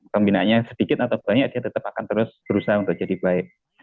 pembinaannya sedikit atau banyak dia tetap akan terus berusaha untuk jadi baik